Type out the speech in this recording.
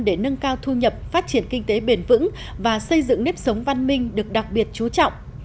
theo thu nhập phát triển kinh tế bền vững và xây dựng nếp sống văn minh được đặc biệt chú trọng